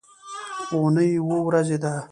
اونۍ اووه ورځې ده